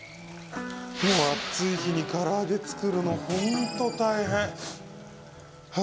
もう暑い日にから揚げ作るの本当、大変。